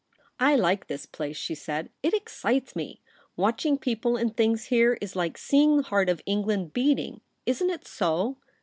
' I like this place,' she said. ' It excites me. Watching people and things here is like seeing the heart of England beating. Isn't it so